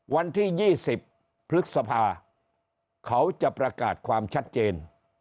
วันที่๒๐พฤษภาเขาจะประกาศความชัดเจน